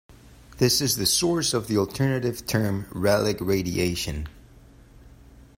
This is the source of the alternative term "relic radiation".